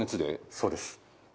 そうです。